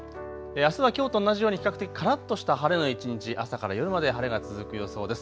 あすはきょうと同じように比較的からっとした晴れの一日、朝から夜まで晴れが続く予想です。